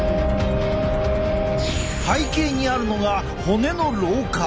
背景にあるのが骨の老化。